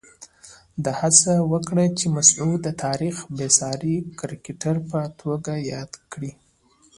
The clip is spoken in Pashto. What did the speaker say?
ده هڅه وکړه چې مسعود د تاریخ بېساري کرکټر په توګه یاد کړي.